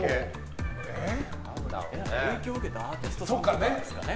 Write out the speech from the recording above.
影響を受けたアーティストとかじゃないですかね。